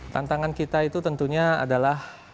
tantangan kita itu tentunya adalah